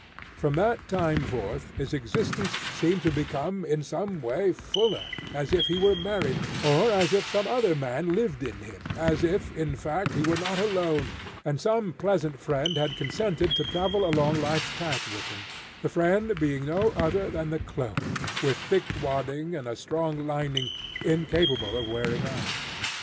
From that time forth, his existence seemed to become, in some way, fuller, as if he were married, or as if some other man lived in him, as if, in fact, he were not alone, and some pleasant friend had consented to travel along life's path with him, the friend being no other than the cloak, with thick wadding and a strong lining incapable of wearing out.